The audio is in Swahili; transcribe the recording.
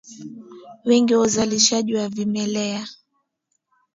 Wingi wa uzalishaji wa vimelea